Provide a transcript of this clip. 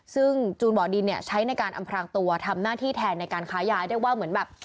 ซึ่งจูนบ่อดินเนี่ยใช้ในการอำพรางตัวทำหน้าที่แทนในการค้ายายเรียกว่าเหมือนแบบ